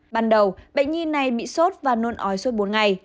ban đầu bệnh nhi này bị sốt và nôn ói suốt bốn ngày